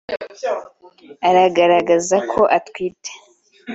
agaragaza ko atwite